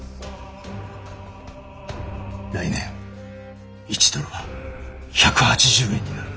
来年１ドルは１８０円になる。